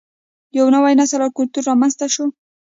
یو نوی نسل او کلتور رامینځته شو